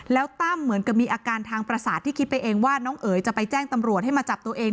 แล้วตั้มเหมือนกับมีอาการทางประสาทที่คิดไปเองว่าน้องเอ๋ยจะไปแจ้งตำรวจให้มาจับตัวเอง